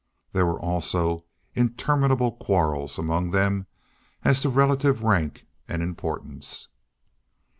There were also interminable quarrels among them as to relative rank and importance.